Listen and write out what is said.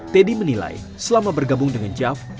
teddy menilai selama bergabung dengan jav